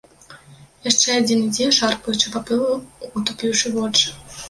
Яшчэ адзін ідзе шарпаючы па пылу, утупіўшы вочы.